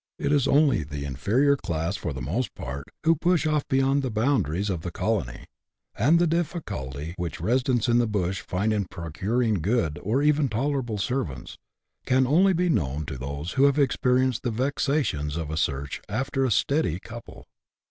It is only the inferior class, for the most part, who push oflP beyond the boundaries of the colony ; and the difficulty which residents in the bush find in procuring good, or even tolerable servants, can only be known to those who have experienced the vexations of a search after " a steady couple."